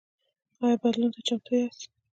ایا بدلون ته چمتو یاست؟